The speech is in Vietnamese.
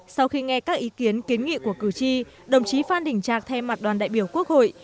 sau khi nghe các ý kiến kiến nghị của cử tri đồng chí phan đình trạc thay mặt đoàn đại biểu quốc hội